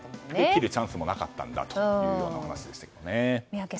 切るチャンスもなかったというお話でしたけどね。